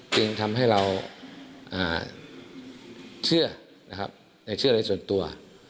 จึงทำให้เราเชื่อในเชื่อในส่วนตัว